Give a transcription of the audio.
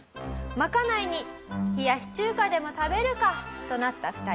賄いに冷やし中華でも食べるかとなった２人。